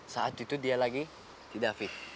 saat itu dia lagi tidak fit